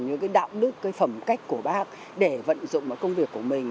những cái đạo đức cái phẩm cách của bác để vận dụng vào công việc của mình